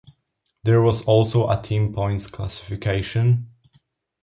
There was also a team points classification.